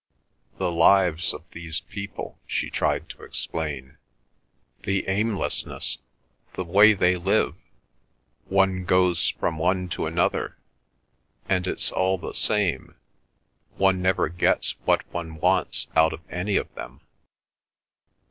"The lives of these people," she tried to explain, "the aimlessness, the way they live. One goes from one to another, and it's all the same. One never gets what one wants out of any of them."